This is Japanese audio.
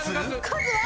数は？